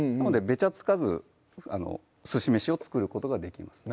べちゃつかずすし飯を作ることができます